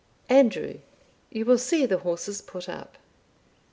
Andrew, you will see the horses put up."